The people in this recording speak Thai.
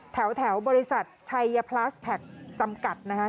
แถวบริษัทชัยพลาสแพคจำกัดนะคะ